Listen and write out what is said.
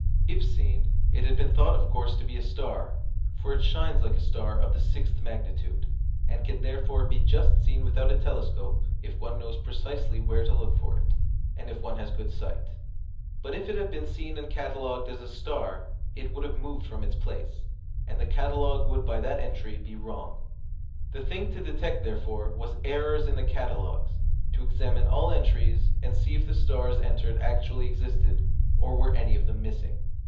If seen, it had been thought of course to be a star (for it shines like a star of the sixth magnitude, and can therefore be just seen without a telescope if one knows precisely where to look for it, and if one has good sight), but if it had been seen and catalogued as a star it would have moved from its place, and the catalogue would by that entry be wrong. The thing to detect, therefore, was errors in the catalogues: to examine all entries, and see if the stars entered actually existed, or were any of them missing.